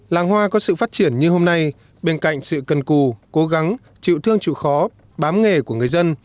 làng hoa có sự phát triển như hôm nay bên cạnh sự cần cù cố gắng chịu thương chịu khó bám nghề của người dân